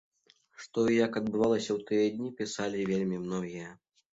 Што і як адбывалася ў тыя дні, пісалі вельмі многія.